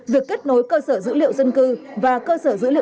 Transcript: việc kết nối cơ sở dữ liệu dân cơ và cơ sở dữ liệu đất đai sẽ giúp người dân